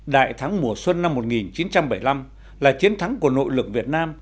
đại thắng mùa xuân năm một nghìn chín trăm bảy mươi năm là chiến thắng của nội lực việt nam